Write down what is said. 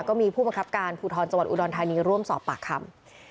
ก็มีผู้บังคับการภูทรจังหวัดอุดรธานีร่วมสอบปากคำ